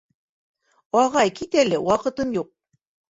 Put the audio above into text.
Ағай, кит әле, ваҡытым юҡ!